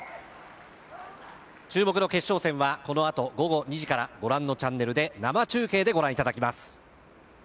注目の決勝戦はこのあと午後２時からご覧のチャンネルで生中継でご覧いただきます